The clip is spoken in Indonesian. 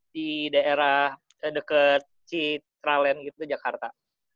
di daerah deket citraland gitu jakarta